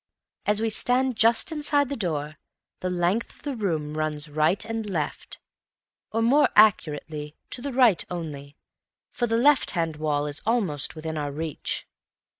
As we stand just inside the door, the length of the room runs right and left; or, more accurately, to the right only, for the left hand wall is almost within our reach.